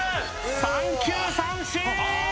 三球三振！